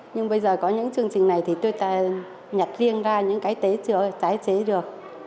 nhưng bây giờ có những chương trình này thì tôi nhặt riêng ra những cái tế chưa tái chế được